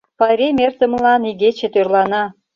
Пайрем эртымылан игече тӧрлана.